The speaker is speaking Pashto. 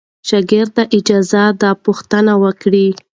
شاګرد ته اجازه ده پوښتنه وکړي.